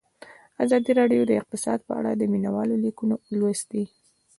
ازادي راډیو د اقتصاد په اړه د مینه والو لیکونه لوستي.